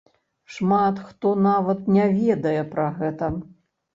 Шмат хто нават не ведае пра гэта.